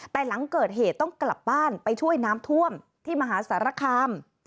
แต่หลังเกิดเหตุต้องกลับบ้านไปช่วยน้ำท่วมที่มหาสารคาม